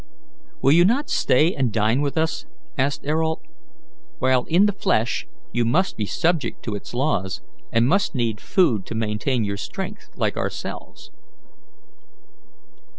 "Will you not stay and dine with us?" asked Ayrault. "While in the flesh you must be subject to its laws, and must need food to maintain your strength, like ourselves."